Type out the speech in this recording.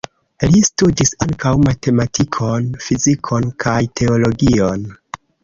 Li studis ankaŭ matematikon, fizikon kaj teologion.